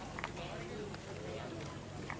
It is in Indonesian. kita mencari uang yang lebih